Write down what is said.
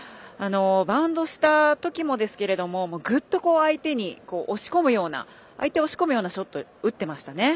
バウンドしたときもですけれどぐっと相手に押し込むようなショットを打ってましたね。